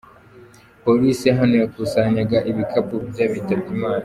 Police hano yakusanyaga ibikapu by'abitabye Imana.